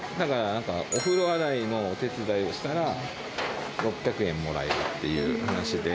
なんか、お風呂洗いのお手伝いをしたら、６００円もらえるっていう話で。